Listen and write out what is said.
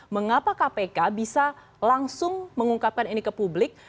mengapa kpk bisa langsung mengungkapkan ini ke publik